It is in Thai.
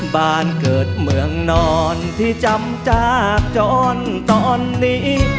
บ้านเกิดเมืองนอนที่จำจากจรตอนนี้